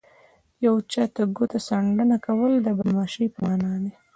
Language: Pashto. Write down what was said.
یو چاته ګوت څنډنه کول د بدماشۍ په مانا ده